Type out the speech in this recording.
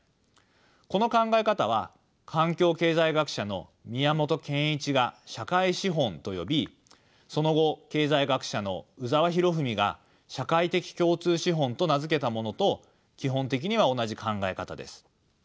この考え方は環境経済学者の宮本憲一が「社会資本」と呼びその後経済学者の宇沢弘文が「社会的共通資本」と名付けたものと基本的には同じ考え方です。